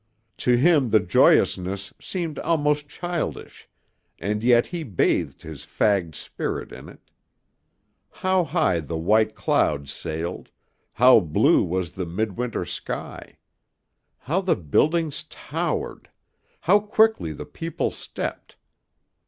To him the joyousness seemed almost childish and yet he bathed his fagged spirit in it. How high the white clouds sailed, how blue was the midwinter sky! How the buildings towered, how quickly the people stepped!